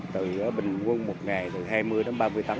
từ bình quân một ngày từ hai mươi đến ba mươi tấn